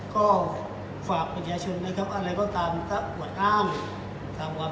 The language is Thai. ก็ฝากปัญญาชนอะไรก็ตามบอกอ้าง